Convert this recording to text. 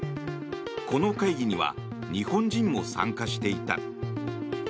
この会議には日本人も参加していた。